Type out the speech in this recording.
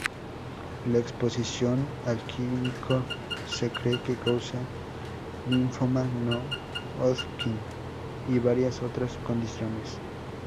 La exposición al químico se cree que causa linfoma No-Hodgkin y varias otras condiciones.